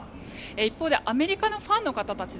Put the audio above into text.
一方でアメリカのファンの方たち